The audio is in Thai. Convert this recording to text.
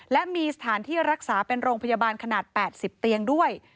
และมีสถานที่รักษาเป็นโรงพยาบาลขนาด๘๐เตียงด้วย